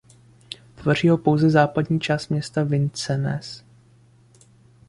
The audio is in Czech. Tvoří ho pouze západní část města Vincennes.